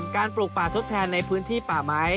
ปลูกป่าทดแทนในพื้นที่ป่าไม้